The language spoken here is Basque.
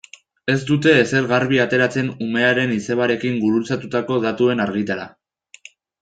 Ez dute ezer garbi ateratzen umearen izebarekin gurutzatutako datuen argitara.